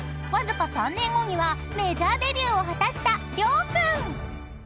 ［わずか３年後にはメジャーデビューを果たした涼くん］